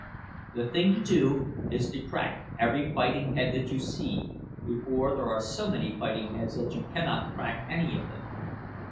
The thing to do is to crack every fighting head that you see, before there are so many fighting heads that you cannot crack any of them.